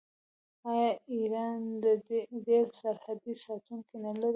آیا ایران ډیر سرحدي ساتونکي نلري؟